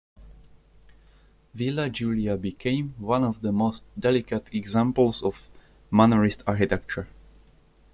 Villa Giulia became one of the most delicate examples of Mannerist architecture.